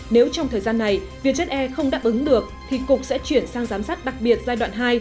nếu trong thời gian này vietjet air không đáp ứng được thì cục sẽ chuyển sang giám sát đặc biệt giai đoạn hai